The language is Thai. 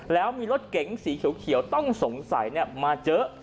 แล้วมีรถเก๋งสีเขียวต้องสงสัยมาเยอะ